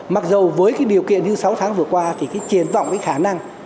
mặc dù với cái điều kiện như sáu tháng vừa qua thì cái triển vọng cái khả năng